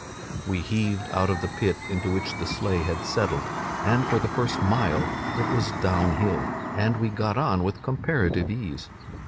"We heaved out of the pit into which the sleigh had settled, and for the first mile it was down hill, and we got on with comparative ease.